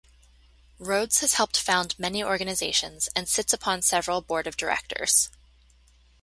Rhodes has helped found many organizations and sits upon several Board of Directors.